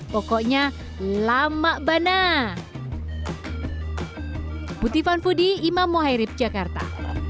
pokoknya lama bana